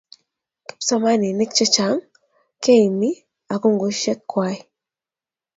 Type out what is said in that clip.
kipsomaninik chechang keimi akungushek kuay